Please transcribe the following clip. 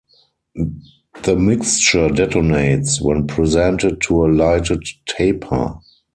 The mixture detonates when presented to a lighted taper.